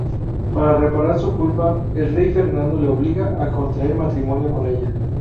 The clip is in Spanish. Para reparar su culpa, el rey Fernando le obliga a contraer matrimonio con ella.